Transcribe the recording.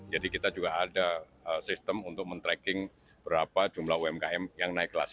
jadi kita juga ada sistem untuk men tracking berapa jumlah umkm yang naik kelas